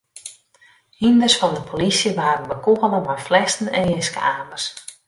Hynders fan de polysje waarden bekûgele mei flessen en jiske-amers.